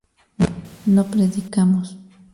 no predicamos